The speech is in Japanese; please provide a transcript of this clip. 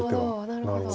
なるほど。